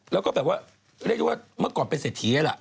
แล้วก็แบบว่าเมื่อก่อนเป็นเศรษฐีนั้นแหละ